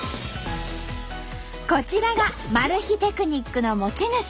こちらがマル秘テクニックの持ち主。